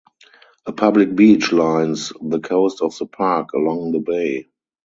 A public beach lines the coast of the park along the bay.